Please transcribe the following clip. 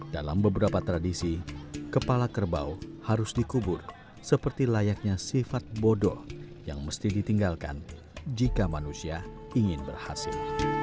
dalam beberapa tradisi kepala kerbau harus dikubur seperti layaknya sifat bodoh yang mesti ditinggalkan jika manusia ingin berhasil